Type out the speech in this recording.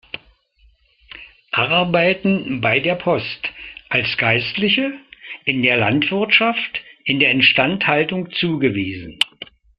Arbeiten bei der Post, als Geistliche, in der Landwirtschaft, in der Instandhaltung zugewiesen.